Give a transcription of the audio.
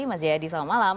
mas jayadi selamat malam